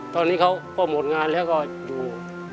ตอนนี้เขาก็หมดงานแล้วก็อยู่